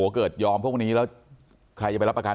เกิดยอมพวกนี้แล้วใครจะไปรับประกัน